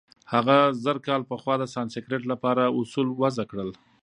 هغه زرکال پخوا د سانسکریت له پاره اوصول وضع کړل.